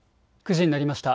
９時になりました。